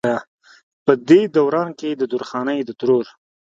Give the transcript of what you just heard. پۀ دې دوران کښې د درخانۍ د ترور